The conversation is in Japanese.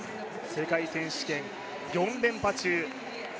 世界選手権４連覇中。